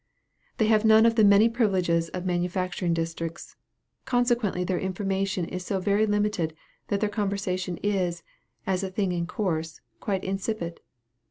They have none of the many privileges of manufacturing districts consequently their information is so very limited, that their conversation is, as a thing in course, quite insipid.